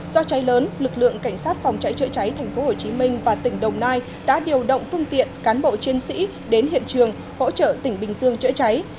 do cháy lớn lực lượng cảnh sát phòng cháy chữa cháy tp hcm và tỉnh đồng nai đã điều động phương tiện cán bộ chiến sĩ đến hiện trường hỗ trợ tỉnh bình dương chữa cháy